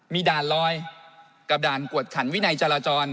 มีด่านลอยกับด่านกวดขันวินัยจราจร